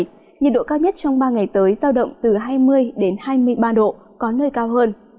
về đêm và sáng nhiệt độ cao nhất trong ba ngày tới giao động từ hai mươi hai mươi ba độ có nơi cao hơn